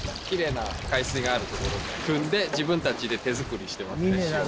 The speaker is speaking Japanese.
きれいな海水がある所でくんで自分たちで手作りしてますね塩。